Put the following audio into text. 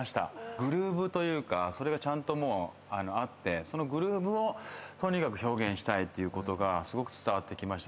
グルーブというかそれがちゃんとあってそのグルーブをとにかく表現したいっていうことがすごく伝わってきました。